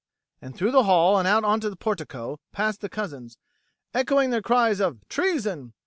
And through the hall and out to the portico passed the cousins, echoing their cries of "Treason!"